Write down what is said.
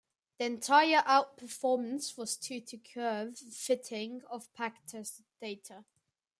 The entire outperformance was due to curve fitting of backtested data.